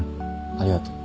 ありがとう。